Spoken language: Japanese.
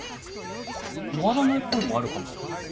終わらない恋もあるかもよ？